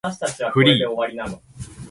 フリー